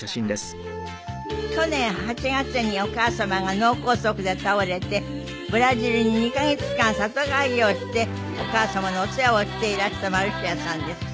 去年８月にお母様が脳梗塞で倒れてブラジルに２カ月間里帰りをしてお母様のお世話をしていらしたマルシアさんです。